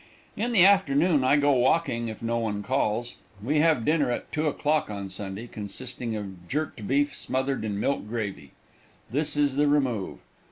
In the afternoon I go walking if no one calls. We have dinner at 2 o'clock on Sunday, consisting of jerked beef smothered in milk gravy. This is the remove.